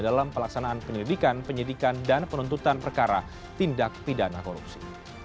dalam pelaksanaan penyelidikan penyidikan dan penuntutan perkara tindak pidana korupsi